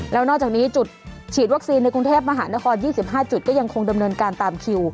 แล้วนอกจากนี้จุดฉีดวัคซีนในกรุงเทพมหานคร๒๕จุดก็ยังคงดำเนินการตามคิว